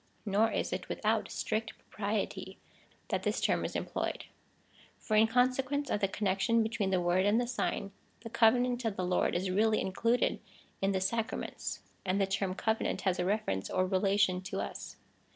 Nor is it without strict propriety that this term is employed ; for in consequence of the connection between the word and the sign, the covenant of the Lord is really included in the sacraments, and the term covenant has a reference or relation to us.